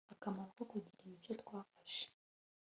akamaro ko kugira imico twafashe